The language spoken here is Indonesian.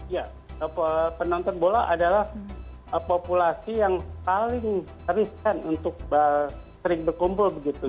ya penonton bola adalah populasi yang paling riskan untuk sering berkumpul begitu